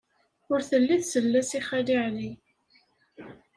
Ur telli tsell-as i Xali Ɛli.